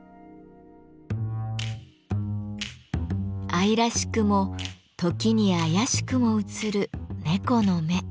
愛らしくも時に妖しくも映る猫の目。